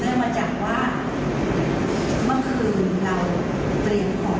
ทีนี้หลังจากสอบปากคำของคุณแม่เสร็จเรียบร้อยแล้วก็ทางรัชตะเรียบร้อยนะฮะ